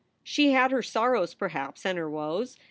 She had her sorrows, perhaps, and her woes.